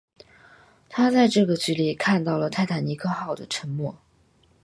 他在这个距离看到了泰坦尼克号的沉没。